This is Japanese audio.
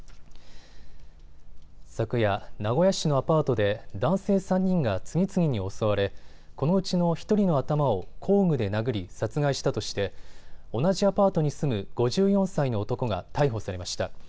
昨夜、名古屋市のアパートで男性３人が次々に襲われこのうちの１人の頭を工具で殴り殺害したとして同じアパートに住む５４歳の男が逮捕されました。